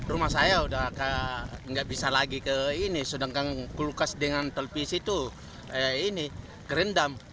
rumah saya sudah tidak bisa lagi ke ini sedangkan kulkas dengan telpisi itu kerendam